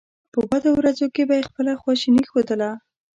په بدو ورځو کې به یې خپله خواشیني ښودله.